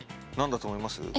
何だと思います？